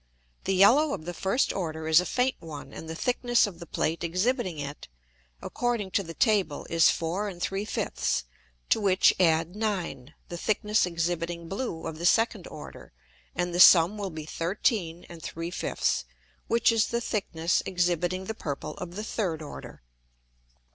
The yellow of the first Order is a faint one, and the thickness of the Plate exhibiting it, according to the Table is 4 3/5, to which add 9, the thickness exhibiting blue of the second Order, and the Sum will be 13 3/5, which is the thickness exhibiting the purple of the third Order.